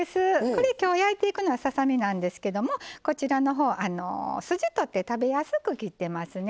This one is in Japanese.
これ今日焼いていくのはささ身なんですけどもこちらの方筋取って食べやすく切ってますね。